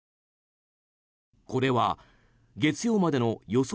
これは月曜日までの予想